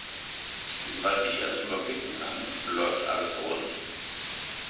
Soweit ich es überblicken kann, läuft alles rund.